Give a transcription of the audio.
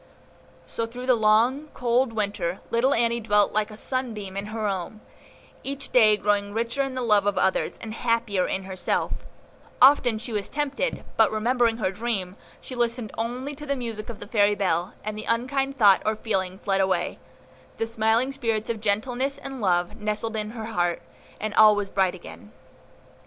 So, through the long, cold Winter, little Annie dwelt like a sunbeam in her home, each day growing richer in the love of others, and happier in herself; often was she tempted, but, remembering her dream, she listened only to the music of the fairy bell, and the unkind thought or feeling fled away, the smiling spirits of gentleness and love nestled in her heart, and all was bright again.